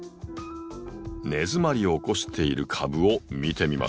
根詰まりを起こしている株を見てみましょう。